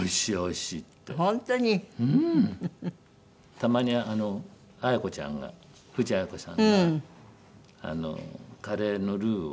たまにあのあや子ちゃんが藤あや子さんがあのカレーのルーを。